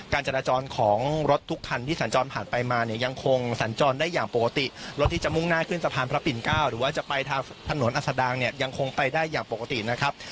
จราจรของรถทุกคันที่สัญจรผ่านไปมาเนี่ยยังคงสัญจรได้อย่างปกติรถที่จะมุ่งหน้าขึ้นสะพานพระปิ่นเก้าหรือว่าจะไปทางถนนอัศดางเนี่ยยังคงไปได้อย่างปกตินะครับ